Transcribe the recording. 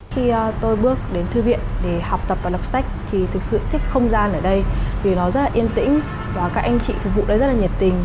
khi tôi bước đến thư viện để học tập và đọc sách thì thực sự thích không gian ở đây vì nó rất là yên tĩnh và các anh chị phục vụ đấy rất là nhiệt tình